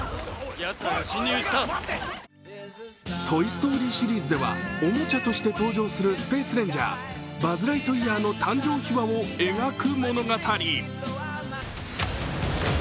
「トイ・ストーリー」シリーズではおもちゃとして登場するスペースレンジャー、バズ・ライトイヤーの誕生秘話を描く物語。